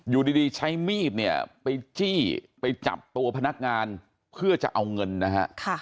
อยู่ดีใช้มีดเนี่ยไปจี้ไปจับตัวพนักงานเพื่อจะเอาเงินนะฮะ